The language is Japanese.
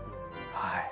はい。